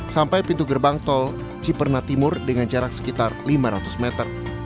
sampai pintu gerbang tol ciperna timur dengan jarak sekitar lima ratus meter